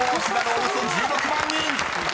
およそ１６万人！］